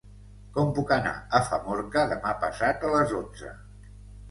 Com puc anar a Famorca demà passat a les onze?